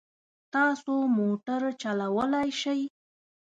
تاسو موټر چلولای شئ؟